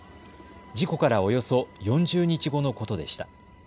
事故からおよそ４０日後のことでした。